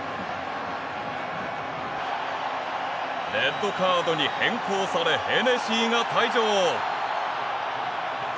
レッドカードに変更されヘネシーが退場！